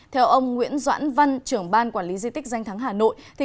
theo ông nguyễn doãn văn trưởng ban quản lý di tích danh thắng hà nội